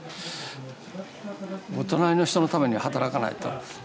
お隣の人のために働かないと。